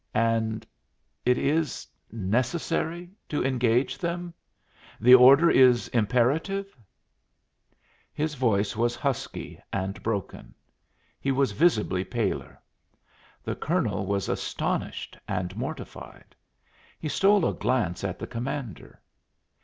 "And it is necessary to engage them? The order is imperative?" His voice was husky and broken. He was visibly paler. The colonel was astonished and mortified. He stole a glance at the commander.